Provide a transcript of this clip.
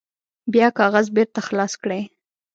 بیا کاغذ بیرته خلاص کړئ.